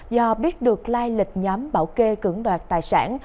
do biết được lai lịch nhóm bảo kê cứng đạt tài sản